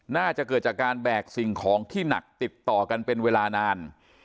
น่าจะเกิดจากการแบกสิ่งของที่หนักติดต่อกันเป็นเวลานาน